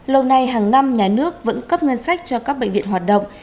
lâu nay hàng năm nhà nước vẫn cấp ngân sách cho các bệnh viện hoạt động